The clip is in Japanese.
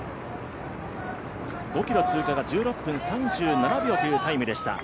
５ｋｍ通過が１６分３７秒というタイムでした。